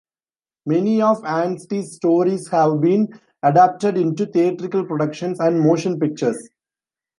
Many of Anstey's stories have been adapted into theatrical productions and motion pictures.